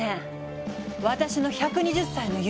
私の１２０歳の夢！